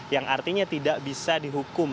yang artinya tidak bisa dihukum